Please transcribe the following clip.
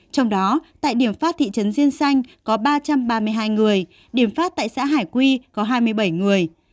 trong đó tại điểm phát thị trấn diên xanh có ba trăm ba mươi hai người điểm phát tại xã hải quy có hai mươi bảy người